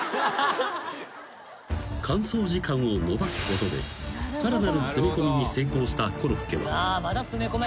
［間奏時間を延ばすことでさらなる詰め込みに成功したコロッケは］